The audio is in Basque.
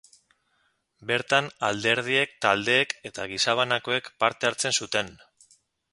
Bertan, alderdiek, taldeek eta gizabanakoek parte hartzen zuten.